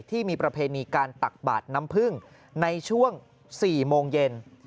ที่มีประเพณีการตักบาดน้ำพึ่งในช่วง๔โมงเย็น